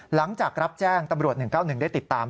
หลังจากรับแจ้งตำรวจ๑๙๑ได้ติดตาม